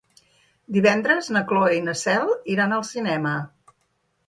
Divendres na Cloè i na Cel iran al cinema.